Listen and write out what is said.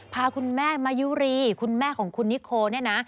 พาคุณแม่มายุรีคุณแม่ของคุณนิโคเนี่ยนะ